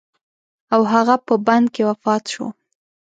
او هغه په بند کې وفات شو.